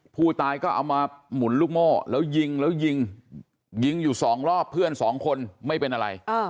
ผู้ตายก็เอามาหมุนลูกโม่แล้วยิงแล้วยิงยิงอยู่สองรอบเพื่อนสองคนไม่เป็นอะไร